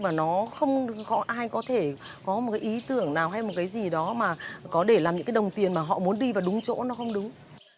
và nó không ai có thể có một cái ý tưởng nào hay một cái gì đó mà có để làm những cái đồng tiền mà họ muốn đi vào đúng chỗ nó không đúng